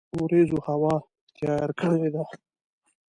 وریځوهوا تیار کړی ده